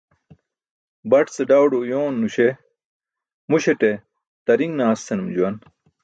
Baṭ ce đawdo uyooń nuśe muśaṭe "tariṅ naas" senum juwan.